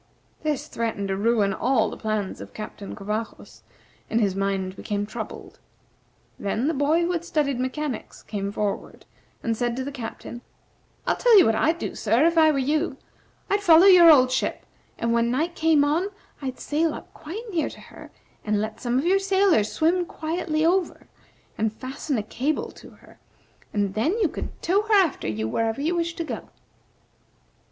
This threatened to ruin all the plans of Captain Covajos, and his mind became troubled. Then the boy who had studied mechanics came forward and said to the Captain: "I'll tell you what I'd do, sir, if I were you; I'd follow your old ship, and when night came on I'd sail up quite near to her, and let some of your sailors swim quietly over, and fasten a cable to her, and then you could tow her after you wherever you wished to go."